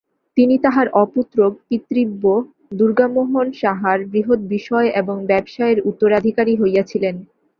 তিনি তাঁহার অপুত্রক পিতৃব্য দুর্গামোহন সাহার বৃহৎ বিষয় এবং ব্যবসায়ের উত্তরাধিকারী হইয়াছিলেন।